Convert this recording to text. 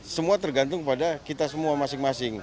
semua tergantung pada kita semua masing masing